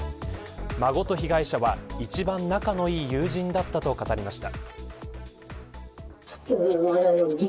孫と被害者は一番仲のいい友人だったと語りました。